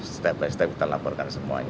step by step kita laporkan semuanya